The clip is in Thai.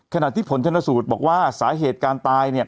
ขณะที่ผลชนสูตรบอกว่าสาเหตุการตายเนี่ย